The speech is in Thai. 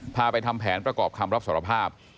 ไปทำแผนประกอบคำรับสารภาพ